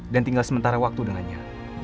dan tinggal sementara waktu dengannya